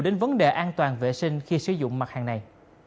đến vấn đề an toàn vệ sinh khi sử dụng mặt hàng này